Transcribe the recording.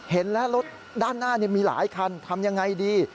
เห็นแล้วรถด้านหน้ามีหลายคันทำยังไงดี